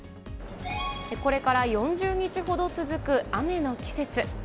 これから４０日ほど続く雨の季節。